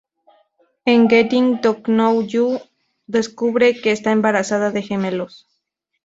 En "Getting to Know You", descubre que está embarazada de gemelos.